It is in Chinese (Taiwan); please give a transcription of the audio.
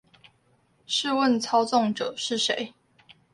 試問操縱者是誰？